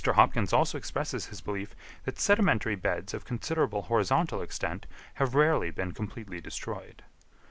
Hopkins also expresses his belief that sedimentary beds of considerable horizontal extent have rarely been completely destroyed.